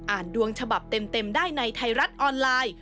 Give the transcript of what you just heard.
ดวงฉบับเต็มได้ในไทยรัฐออนไลน์